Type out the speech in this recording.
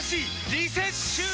リセッシュー！